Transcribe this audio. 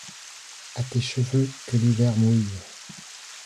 A tes cheveux que l’hiver mouille